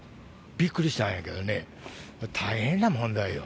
びっくりしたんやけどね、大変な問題よ。